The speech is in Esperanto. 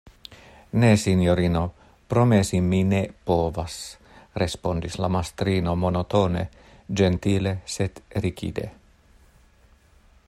Ne, sinjorino, promesi mi ne povas, respondis la mastrino monotone, ĝentile, sed rigide.